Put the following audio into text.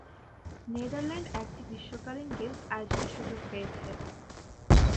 Netherland একটি গ্রীষ্মকালীন games আয়োজনের সুযোগ পেয়েছে।